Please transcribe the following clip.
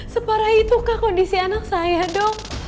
seperai itukah kondisi anak saya dok